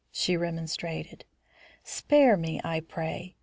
she remonstrated. "Spare me, I pray.